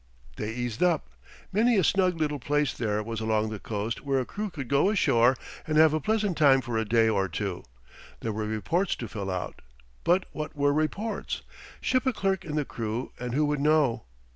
They eased up. Many a snug little place there was along the coast where a crew could go ashore and have a pleasant time for a day or two. There were reports to fill out, but what were reports? Ship a clerk in the crew and who would know?